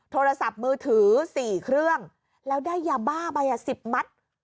โทรศัพท์มือถือ๔เครื่องแล้วได้ยาบ้าไป๑๐มัตต์